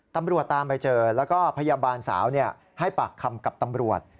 ตามไปเจอแล้วก็พยาบาลสาวให้ปากคำกับตำรวจ